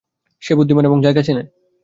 সে বুদ্ধিমান এবং জায়গা চেনে।